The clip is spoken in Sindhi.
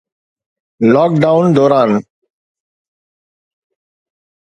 لاڪ ڊائون دوران